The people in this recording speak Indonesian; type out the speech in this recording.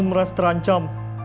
dimana kamu merasa terancam